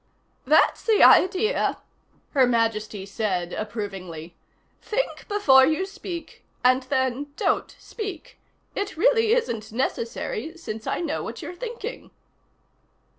"That's the idea," Her Majesty said approvingly. "Think before you speak and then don't speak. It really isn't necessary, since I know what you're thinking."